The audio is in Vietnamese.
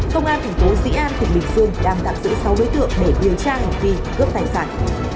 công an thành phố dĩ an tỉnh bình dương đang tạm giữ sáu đối tượng để điều tra hành vi cướp tài sản